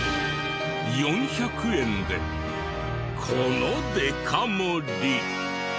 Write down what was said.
４００円でこのデカ盛り。